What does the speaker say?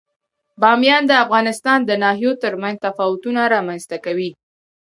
بامیان د افغانستان د ناحیو ترمنځ تفاوتونه رامنځ ته کوي.